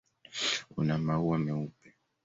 Una maua meupe.